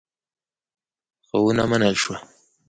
خو ونه منل شوه.